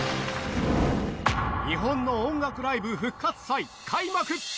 日本の音楽ライブ復活祭開幕。